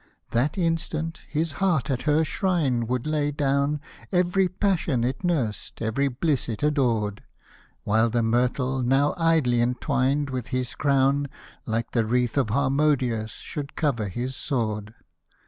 That instant, his heart at her shrine would lay down Every passion it nursed, every bliss it adored ; While the myrtle, now idly entwin'd with his crown, Like the wreath of Harmodius, should cover his sword.